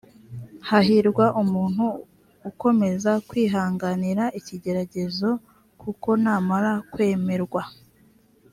hahirwa umuntu ukomeza kwihanganira ikigeragezo e kuko namara kwemerwa